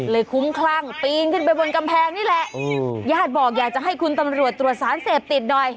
คุ้มคลั่งปีนขึ้นไปบนกำแพงนี่แหละญาติบอกอยากจะให้คุณตำรวจตรวจสารเสพติดหน่อย